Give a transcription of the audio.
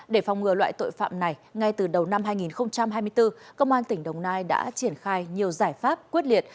để phòng ngừa loại tội phạm này ngay từ đầu năm hai nghìn hai mươi bốn công an tỉnh đồng nai đã triển khai nhiều giải pháp quyết liệt